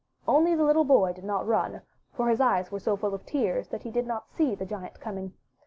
Only the little boy did not run, for his eyes were so full of tears that he did not see the Giant coming.